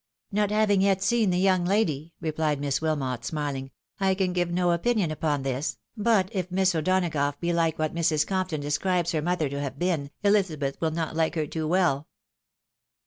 " Not having yet seen the young lady," rephed Miss Wilmot, smiling, " I can give no opinion upon this ; but, if Miss O'Donagough be like what Mrs. Compton describes her mother to have been, Ehzabeth wiU not like her too well."